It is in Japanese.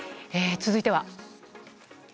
続いては。